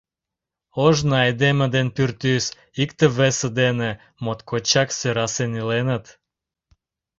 — Ожно айдеме ден пӱртӱс икте-весе дене моткочак сӧрасен иленыт.